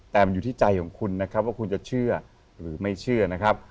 แต่มันอยู่ที่ใจของคุณนะครับว่าคุณจะเชื่อหรือไม่เชื่อนะครับ